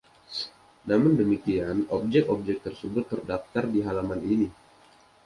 Namun demikian, objek-objek tersebut terdaftar di halaman ini.